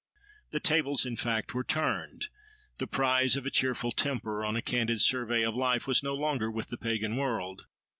The tables in fact were turned: the prize of a cheerful temper on a candid survey of life was no longer with the pagan world.